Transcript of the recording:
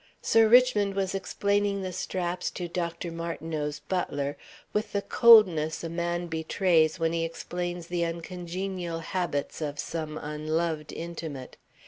Sir Richmond was explaining the straps to Dr. Martineau's butler with the coldness a man betrays when he explains the uncongenial habits of some unloved intimate.